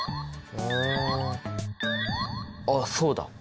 あっそうだ！